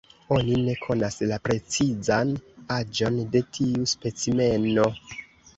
Oni ne konas la precizan aĝon de tiu specimeno.